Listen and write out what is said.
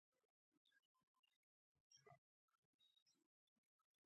ورلسټ راګونات ته شخصا ولیکل.